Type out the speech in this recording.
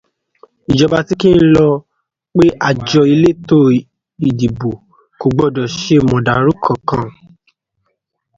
Ìjọba ti kìlọ̀ pé àjọ elétò ìdìbò ò gbọdọ̀ ṣe màdàrú kankan.